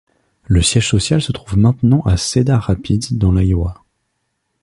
Le siège social se trouve maintenant à Cedar Rapids, dans l’Iowa.